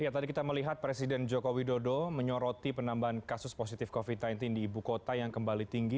tadi kita melihat presiden joko widodo menyoroti penambahan kasus positif covid sembilan belas di ibu kota yang kembali tinggi